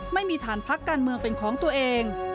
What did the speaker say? ไม่มีฐานพักการเมืองเป็นของตัวเอง